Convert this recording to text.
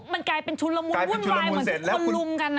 มันกลายเป็นชุนละมุนวุ่นวายเหมือนทุกคนลุมกัน